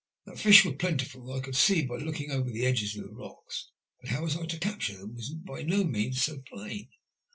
That fish were plentiful I could see by looking over the edges of the rocks, but how I was to capture them was by no means so plain.